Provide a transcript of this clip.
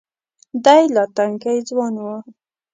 دی لا تنکی ځوان و.